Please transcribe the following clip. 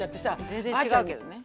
全然違うけどね。